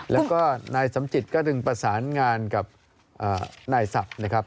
แล้วก็นายสมจิตก็ถึงประสานงานกับนายศัพท์